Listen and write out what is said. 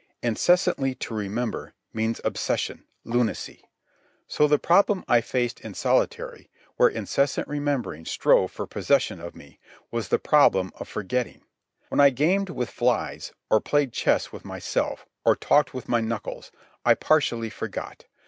Incessantly to remember, means obsession, lunacy. So the problem I faced in solitary, where incessant remembering strove for possession of me, was the problem of forgetting. When I gamed with flies, or played chess with myself, or talked with my knuckles, I partially forgot.